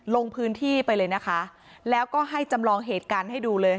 ลงพื้นที่ไปเลยนะคะแล้วก็ให้จำลองเหตุการณ์ให้ดูเลย